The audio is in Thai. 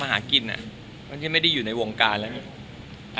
มันยังไม่ได้อยู่ในวงการนะ